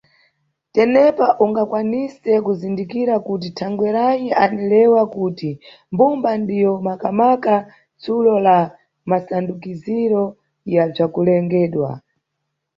Tenepa ungakwanise kuzindikira kuti thangweranyi anilewa kuti mbumba ndiyo maka-maka tsulo la masandukiziro ya bzakulengedwa.